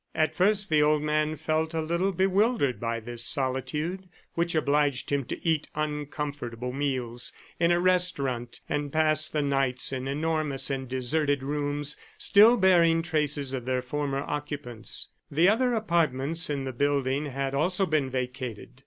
At first the old man felt a little bewildered by this solitude, which obliged him to eat uncomfortable meals in a restaurant and pass the nights in enormous and deserted rooms still bearing traces of their former occupants. The other apartments in the building had also been vacated.